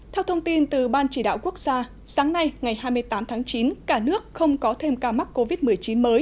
theo thông tin từ ban chỉ đạo quốc gia sáng nay ngày hai mươi tám tháng chín cả nước không có thêm ca mắc covid một mươi chín mới